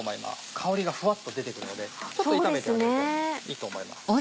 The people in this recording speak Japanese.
香りがフワっと出て来るのでちょっと炒めてあげるといいと思います。